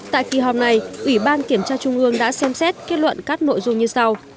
tại kỳ họp này ủy ban kiểm tra trung ương đã xem xét kết luận các nội dung như sau